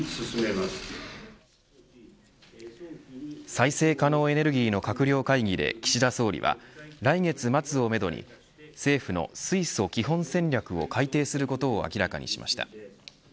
再生可能エネルギーの閣僚会議で岸田総理は来月末をめどに政府の水素基本戦略を改定することを明らかにしました。